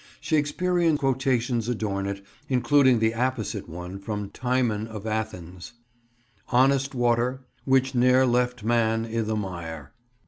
Shakespearean quotations adorn it, including the apposite one from Timon of Athens: "Honest water, which ne'er left man i' th' mire."